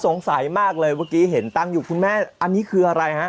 สงสัยมากเลยเมื่อกี้เห็นตั้งอยู่คุณแม่อันนี้คืออะไรฮะ